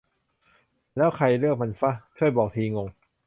แล้วใครเลือกมันฟะ ? ช่วยบอกทีงง